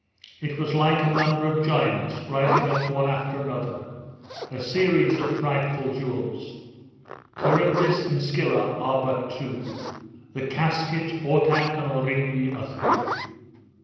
It was like a number of giants, rising up one after another a series of frightful duels. Charybdis and Scylla are but two; the Caskets, Ortach, and Aurigny are three.